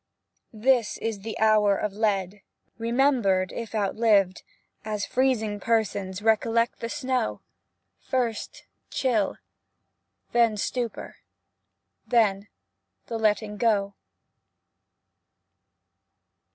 This is the hour of lead Remembered if outlived, As freezing persons recollect the snow — First chill, then stupor, then the letting go.